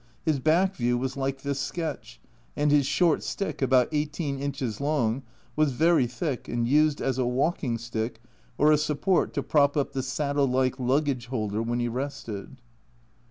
His back view was like this sketch, and his short stick, about 18 inches long, was very thick and used as a walking stick or a support to prop up the saddle like luggage holder when he rested.